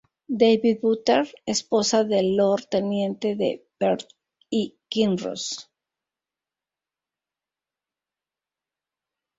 David Butter, esposa del Lord teniente de Perth y Kinross.